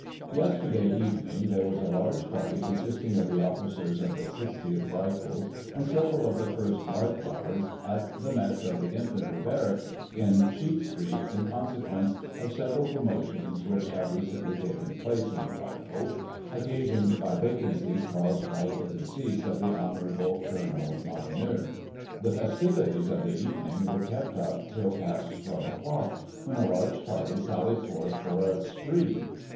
Yesterday evening there was a large party consisting of the officers of the 60th Rifles, and several of the 1st Life Guards, at the mess of the infantry barracks, in Sheet Street, in consequence of several promotions which have recently taken place in the Rifles, occasioned by vacan cies caused by the decease of the Hon. Col. Molyneux. The festivities of the evening were kept up till past 12 o'clock, when a large party sallied forth for * a spree.'